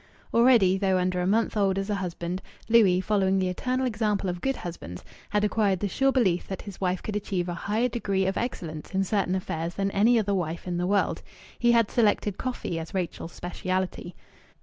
Already, though under a month old as a husband, Louis, following the eternal example of good husbands, had acquired the sure belief that his wife could achieve a higher degree of excellence in certain affairs than any other wife in the world. He had selected coffee as Rachel's speciality.